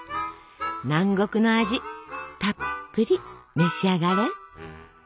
南国の味たっぷり召し上がれ！